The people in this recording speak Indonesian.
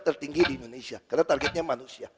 tertinggi di indonesia karena targetnya manusia